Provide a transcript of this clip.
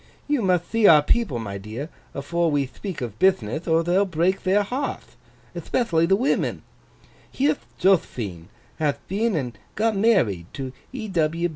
You mutht thee our people, my dear, afore we thpeak of bithnith, or they'll break their hearth—ethpethially the women. Here'th Jothphine hath been and got married to E.